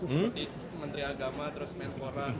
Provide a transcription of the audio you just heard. seperti menteri agama terus menpora